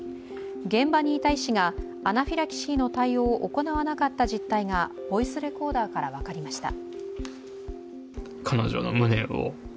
現場にいた医師がアナフィラキシーの対応を行わなかった実態がボイスレコーダーから分かりました。